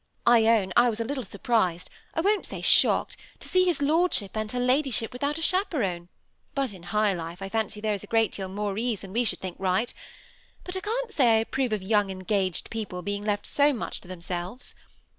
I own I was a little surprised — I won't say shocked — to see his lordship and her ladyship without a chape ron; but in high life I fancy there is a great deal more ease than we should think right. But I can't say I approve of young engaged people being left so much to themselves.